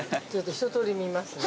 ◆一通り見ますね。